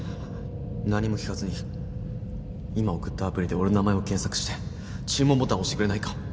何も聞かずに今送ったアプリで俺の名前を検索して注文ボタンを押してくれないか？